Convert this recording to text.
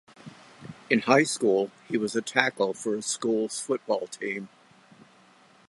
In high school, he was a tackle for his school's football team.